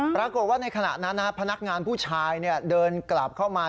ปรากฏว่าในขณะนั้นพนักงานผู้ชายเดินกลับเข้ามา